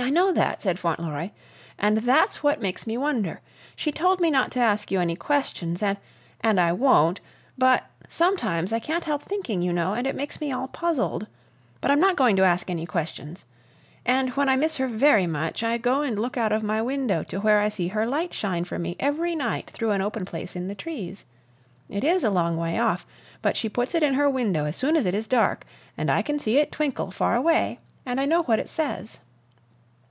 "I know that," said Fauntleroy, "and that's what makes me wonder. She told me not to ask you any questions, and and I won't, but sometimes I can't help thinking, you know, and it makes me all puzzled. But I'm not going to ask any questions. And when I miss her very much, I go and look out of my window to where I see her light shine for me every night through an open place in the trees. It is a long way off, but she puts it in her window as soon as it is dark, and I can see it twinkle far away, and I know what it says."